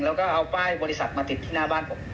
แล้วก็เอาป้ายบริษัทมาติดที่หน้าบ้านผม